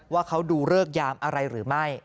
ว่าเขาดูเลิกยามอะไรหรือไม่